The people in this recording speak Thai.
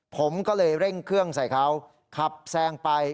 ผมก็เลยเร่งเครื่องใส่เขาขับแซงไป